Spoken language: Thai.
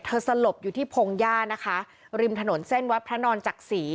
สลบอยู่ที่พงหญ้านะคะริมถนนเส้นวัดพระนอนจักษี